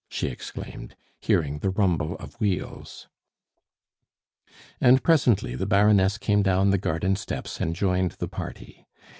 she exclaimed, hearing the rumble of wheels. And presently the Baroness came down the garden steps and joined the party.